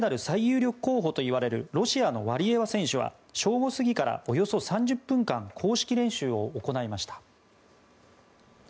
最有力候補といわれるロシアのワリエワ選手は正午過ぎからおよそ３０分間公式練習を行いました。